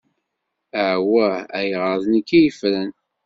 Awah! Ayɣer d nekk i yefren?